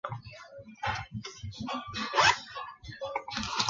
马六甲苏丹王朝至苏门答腊西南部。